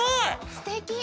すてき！